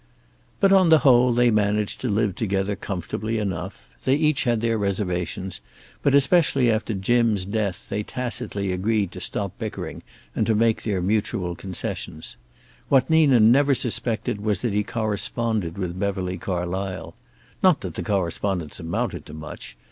But, on the whole, they managed to live together comfortably enough. They each had their reservations, but especially after Jim's death they tacitly agreed to stop bickering and to make their mutual concessions. What Nina never suspected was that he corresponded with Beverly Carlysle. Not that the correspondence amounted to much.